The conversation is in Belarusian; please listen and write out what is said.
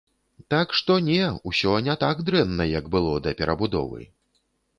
Так што не, усё не так дрэнна, як было да перабудовы.